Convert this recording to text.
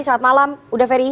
selamat malam udaferi